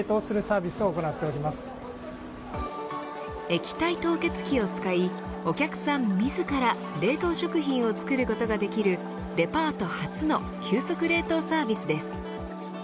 液体凍結機を使いお客さん自ら冷凍食品を作ることができるデパート初の急速冷凍サービスです。